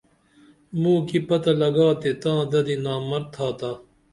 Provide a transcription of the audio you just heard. موکی پتہ لگا تے تاں ددی نامرد تھاتا